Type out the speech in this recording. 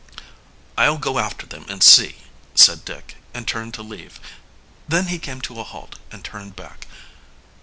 "I'll go after them and see," said Dick, and turned to leave. Then he came to a halt and turned back.